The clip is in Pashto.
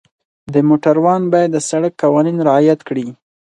د موټروان باید د سړک قوانین رعایت کړي.